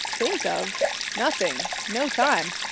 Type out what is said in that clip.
'Think of? Nothing. No time.